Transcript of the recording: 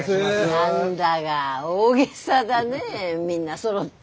何だが大げさだねみんなそろって。